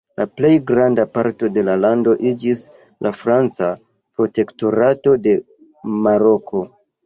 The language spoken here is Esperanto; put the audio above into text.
La plej granda parto de la lando iĝis la Franca protektorato de Maroko.